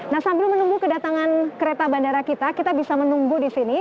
nah sambil menunggu kedatangan kereta bandara kita kita bisa menunggu di sini